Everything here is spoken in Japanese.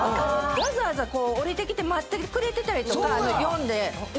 わざわざ降りてきて待ってくれてたりとか呼んだらね。